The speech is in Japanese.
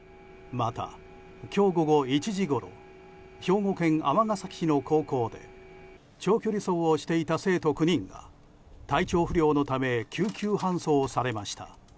また、今日午後１時ごろ兵庫県尼崎市の高校で長距離走をしていた生徒９人が体調不良のため救急搬送されました。